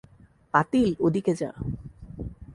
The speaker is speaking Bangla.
পাতিল, ওদিকে যা।